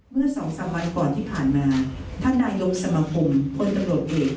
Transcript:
เมื่อสองสามวันก่อนที่ผ่านมาท่านนายกลุ่มสมัครคมคนกับบริโกะเอก